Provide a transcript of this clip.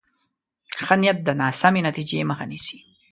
ښه نیت د ناسمې نتیجې مخه نیسي.